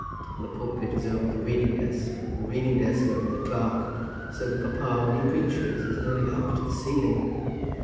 And the pulpit is over the reading desk, and the reading desk over the clerk, so that papa, when he preaches, is nearly up to the ceiling.